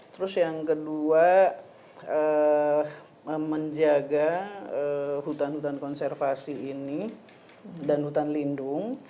terus yang kedua menjaga hutan hutan konservasi ini dan hutan lindung